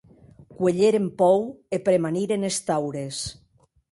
Cuelheren pòur e premaniren es taures.